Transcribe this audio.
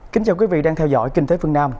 kính chào quý vị đang theo dõi kinh tế phương nam